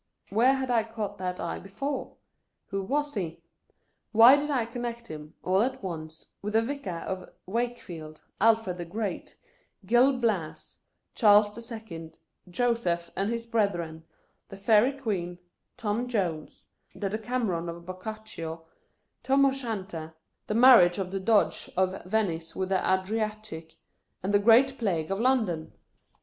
Where had I caught that eye before 1 Who was he ? Why did I connect him, all at once, with the Vicar of Wakefield, Alfred the Great, Gil Bias, Charles the Second, Joseph and his Brethren, the Fairy Queen, Tom Jones, the Decameron of Boccaccio, Tarn O'Shanter, the Marriage of the Doge of Venice with the Adriatic, and the Great Plague of London